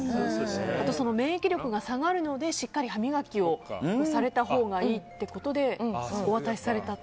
免疫力が下がるのでしっかりと歯磨きをされたほうがいいということでお渡しされたと。